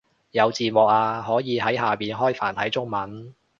有字幕啊，可以喺下面開繁體中文